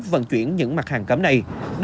vận chuyển những mặt hàng cấm này